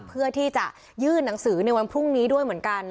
เพื่อที่จะยื่นหนังสือในวันพรุ่งนี้ด้วยเหมือนกัน